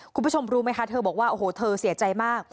คุณผู้ชมรู้ไหมคะเธอบอกว่าโอ้โหเธอเสียใจมาก